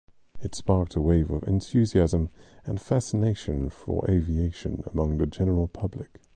It sparked a wave of enthusiasm and fascination for aviation among the general public.